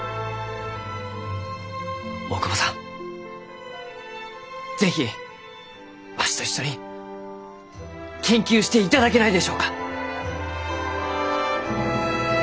大窪さん是非わしと一緒に研究していただけないでしょうか？